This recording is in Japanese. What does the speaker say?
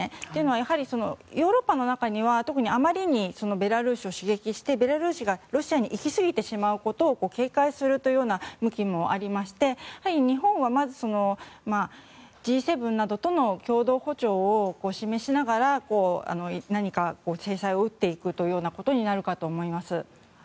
やはりヨーロッパの中には特に、あまりにベラルーシを刺激してベラルーシがロシアにいきすぎてしまうことを警戒するという向きもありまして日本はまずＧ７などとの共同歩調を示しながら何か制裁を打っていくということになるかと思います。